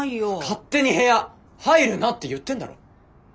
勝手に部屋入るなって言ってんだろ。